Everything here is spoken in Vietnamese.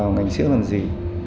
ngành siếc làm gì